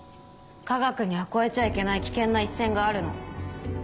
科学には越えちゃいけない危険な一線があるの。